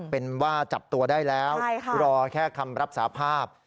เป็นว่าจับตัวได้แล้วรอแค่คำรับสาภาพ